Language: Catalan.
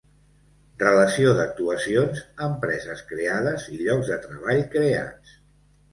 Relació d'actuacions, empreses creades i llocs de treball creats.